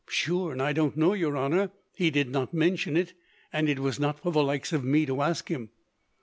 "Sure, and I don't know, your honour. He did not mention it, and it was not for the likes of me to ask him."